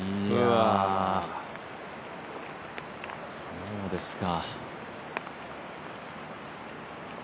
そうですか。